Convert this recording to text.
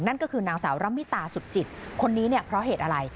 นั่นก็คือนางสาวลับมิตาสุทธิภรรยาคนนี้เพราะเหตุอะไร